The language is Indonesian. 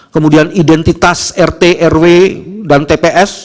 kemudian identitas rt rw dan tps